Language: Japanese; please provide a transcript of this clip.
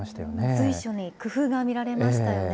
随所に工夫が見られましたよね。